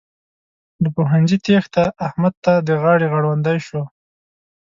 له پوهنځي تېښته؛ احمد ته د غاړې غړوندی شو.